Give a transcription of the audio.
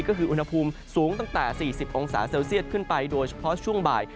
ก็คืออุณหภูมิสูงตั้งแต่๔๐องศาเซลเซียตขึ้นไปโดยเฉพาะช่วงบ่าย